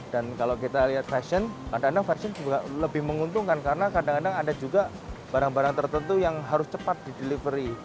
dan kalau kita lihat fashion kadang kadang fashion juga lebih menguntungkan karena kadang kadang ada juga barang barang tertentu yang harus cepat di delivery